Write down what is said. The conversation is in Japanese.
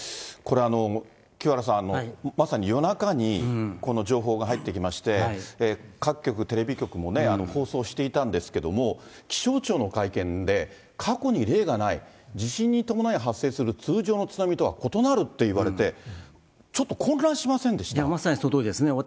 これ、清原さん、まさに夜中にこの情報が入ってきまして、各局、テレビ局もね、放送していたんですけども、気象庁の会見で、過去に例がない、地震に伴い発生する通常の津波とは異なるって言われて、まさにそのとおりですね。